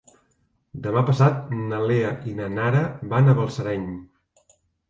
Demà passat na Lea i na Nara van a Balsareny.